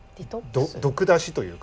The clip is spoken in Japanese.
毒出しというか。